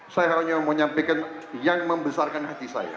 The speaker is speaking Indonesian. saya hanya menyampaikan yang membesarkan hati saya